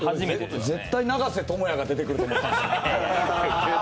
絶対、長瀬智也が出てくると思ったんですよ。